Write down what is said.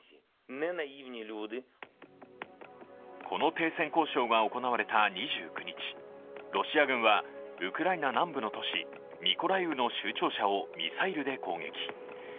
この停戦交渉が行われた２９日、ロシア軍はウクライナ南部の都市、ミコライウの州庁舎を攻撃。